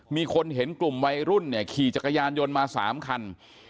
มีคนเห็นกลุ่มวัยรุ่นเนี่ยขี่จักรยานยนต์มา๓คัน